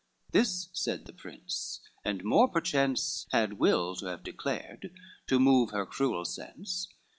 This said the prince, and more perchance had will To have declared, to move her cruel sense.